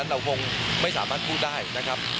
เราคงไม่สามารถพูดได้นะครับ